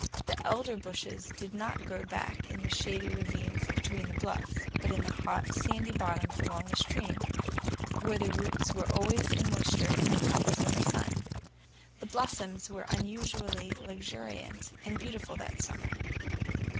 The elder bushes did not grow back in the shady ravines between the bluffs, but in the hot, sandy bottoms along the stream, where their roots were always in moisture and their tops in the sun. The blossoms were unusually luxuriant and beautiful that summer.